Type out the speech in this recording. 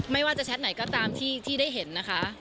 ไม่ว่าจะแชทไหนก็ตามที่ได้เห็นนะคะ